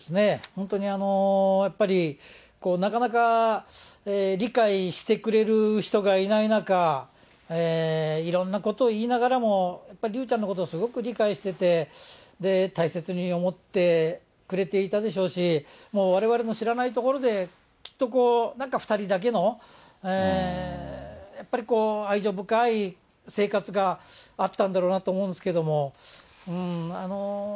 本当にやっぱり、なかなか理解してくれる人がいない中、いろんなことを言いながらも、やっぱ竜ちゃんのことをすごく理解してて、大切に思ってくれていたでしょうし、もうわれわれの知らないところで、きっとなんか２人だけのやっぱりこう、愛情深い生活があったんだろうなと思うんですけれども。